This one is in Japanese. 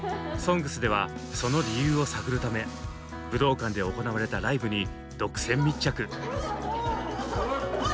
「ＳＯＮＧＳ」ではその理由を探るため武道館で行われたライブに独占密着。